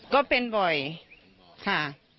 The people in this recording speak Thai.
ก็เป็นบ่อยค่ะ